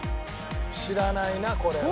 知らないなこれは。